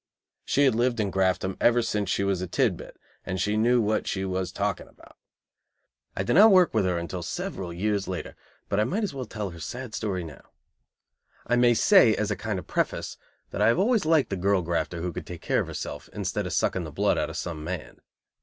She had lived in Graftdom ever since she was a tid bit, and she knew what she was talking about. I did not work with her until several years later, but I might as well tell her sad story now. I may say, as a kind of preface, that I have always liked the girl grafter who could take care of herself instead of sucking the blood out of some man.